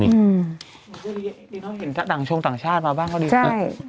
นี่เขาเห็นต่างชงต่างชาติมาบ้างเขาดี